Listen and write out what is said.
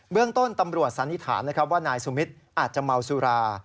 เบื้องต้นตำรวจสันนิษฐานว่านายสุมิทอาจจะเมาสุรา